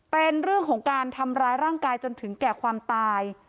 เป็นเรื่องของการทำร้ายร่างกายจนถึงแก่ความตาย